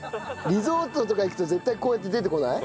リゾートとか行くと絶対こうやって出てこない？